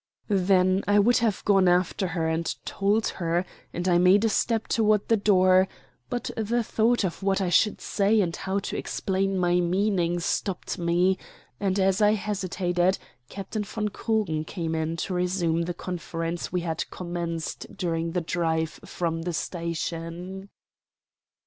Then I would have gone after her and told her, and I made a step toward the door; but the thought of what I should say and how to explain my meaning stopped me, and as I hesitated Captain von Krugen came in to resume the conference we had commenced during the drive from the station.